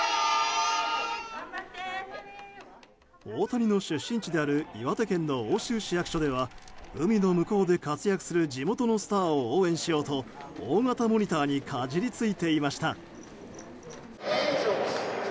大谷の出身地である岩手県の奥州市役所では海の向こうで活躍する地元のスターを応援しようと大型モニターにかじりついていました。